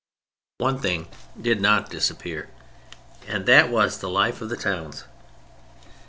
One thing did not disappear, and that was the life of the towns.